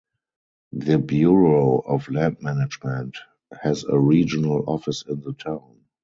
The Bureau of Land Management has a regional office in the town.